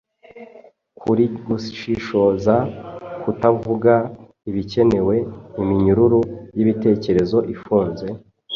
Kurigushishoza, kutavuga, ibikenewe! Iminyururu yibitekerezo ifunze,